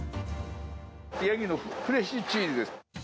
ヤギのフレッシュチーズです。